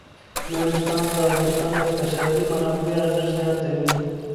نورستان د افغانستان د اقتصادي منابعو ارزښت زیاتوي.